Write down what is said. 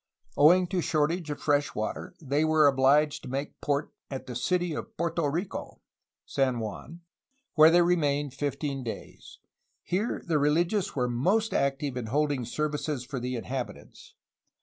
Owing to shortage of fresh water, they were obUged to make port ''at the city of Porto Rico'' (San Juan), where they remained fifteen days. Here the rehgious were most active in holding services for the inhabitants.